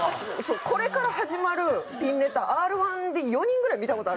これから始まるピンネタＲ−１で４人ぐらい見た事あるじゃないですか。